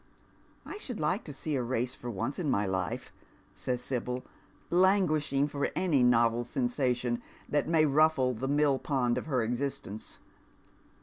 " I should like to see a race for once in my life," sajs Sibyl, languishing for any novel sensation that may mffle the mill po.'id of her existence.